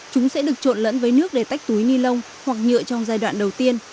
chúng sẽ được trộn lẫn với nước để tách túi ni lông hoặc nhựa trong giai đoạn đầu tiên